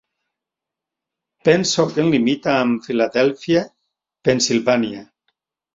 Pennsauken limita amb Philadelphia, Pennsylvania.